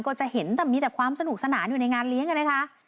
ก็จะเห็นแต่มีแต่ความสนุกสนานอยู่ในงานเลี้ยงนะคะ